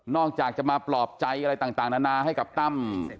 อกจากจะมาปลอบใจอะไรต่างนานาให้กับตั้ม